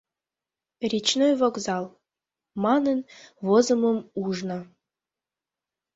Речной вокзал» манын возымым ужна.